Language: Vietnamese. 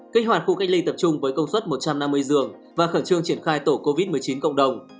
kích hoạt khu cách ly tập trung với công suất một trăm năm mươi giường và khẩn trương triển khai tổ covid một mươi chín cộng đồng